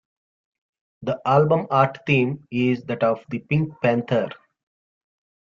The album art theme is that of the Pink Panther.